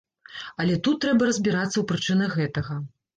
Але тут трэба разбірацца ў прычынах гэтага.